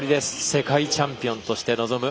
世界チャンピオンとして臨む